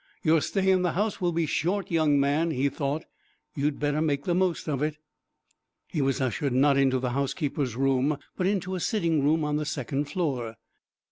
"Your stay in the house will be short, young man," he thought. "You had better make the most of it." He was ushered not into the housekeeper's room, but into a sitting room on the second floor.